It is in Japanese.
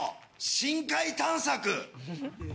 「深海探索」。